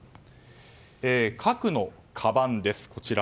核のかばんです。